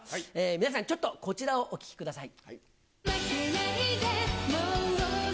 皆さん、ちょっとこちらをお聴きください。